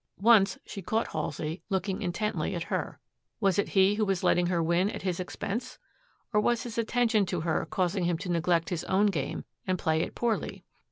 Once she caught Halsey looking intently at her. Was it he who was letting her win at his expense! Or was his attention to her causing him to neglect his own game and play it poorly?